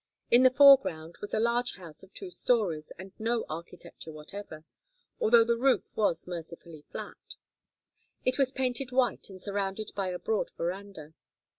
In the foreground was a large house of two stories and no architecture whatever, although the roof was mercifully flat. It was painted white and surrounded by a broad veranda.